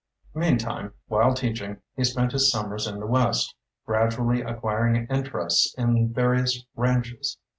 Meantime, while teaching, he spent his summers in the west, gradually ac quiring interests in various ranches.